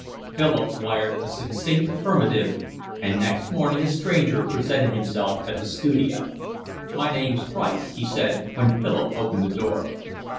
Philip wired a succinct affirmative, and next morning a stranger presented himself at the studio. "My name's Price," he said, when Philip opened the door.